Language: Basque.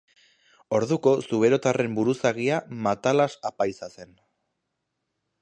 Orduko zuberotarren buruzagia Matalas apaiza zen.